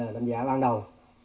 đánh giá ban đầu